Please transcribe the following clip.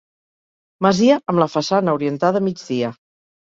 Masia amb la façana orientada a migdia.